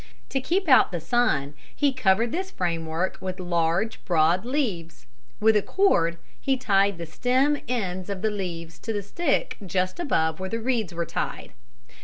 To keep out the sun he covered this framework with large, broad leaves. With a cord he tied the stem ends of the leaves to the stick just above where the reeds were tied.